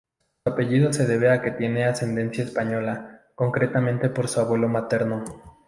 Su apellido se debe a que tiene ascendencia española, concretamente por su abuelo materno.